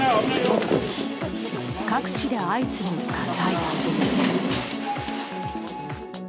各地で相次ぐ火災。